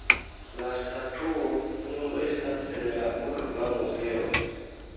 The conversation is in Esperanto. La statuo nun estas en la urba muzeo.